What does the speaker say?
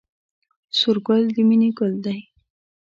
سور ګل د مینې ګل دی